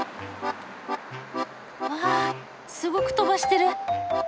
わあすごく飛ばしてる。